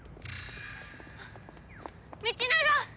道長！